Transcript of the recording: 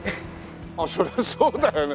あっそりゃそうだよね。